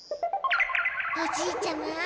おじいちゃま。